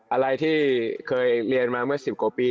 อะไรที่เคยเรียนมาเมื่อ๑๐กว่าปี